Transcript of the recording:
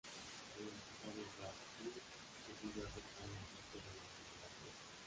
El empresario Ralph Budd decidió aceptar el reto de la renovación.